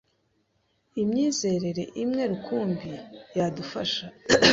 imyizerere imwe rukumbi yadufasha